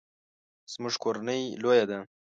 زموږ کورنۍ لویه ده